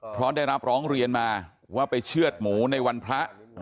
เพราะได้รับร้องเรียนมาว่าไปเชื่อดหมูในวันพระ